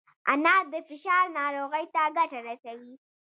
انار د فشار ناروغۍ ته ګټه رسوي.